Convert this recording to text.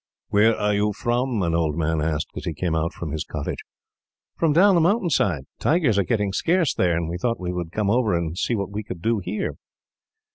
"Where are you from?" an old man asked, as he came out from his cottage. "From down the mountain side. Tigers are getting scarce there, and we thought we would come over and see what we could do, here."